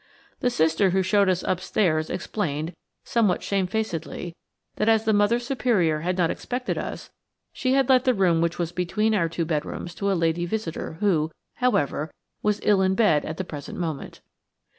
The sister who showed us upstairs explained, somewhat shamefacedly, that as the Mother Superior had not expected us, she had let the room which was between our two bedrooms to a lady visitor, who, however, was ill in bed at the present moment.